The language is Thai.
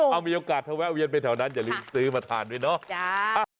เอามีโอกาสถ้าแวะเวียนไปแถวนั้นอย่าลืมซื้อมาทานด้วยเนาะ